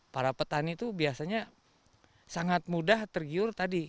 para petani itu biasanya sangat mudah tergiur tadi